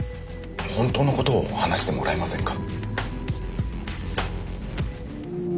本当の事を話してもらえませんか？